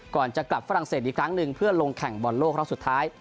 ก่อนจะกลับฝรั่งเศสอีกครั้งหนึ่งเพื่อลงแข่งบอลโลกรอบสุดท้าย